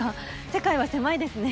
世界は狭いですね。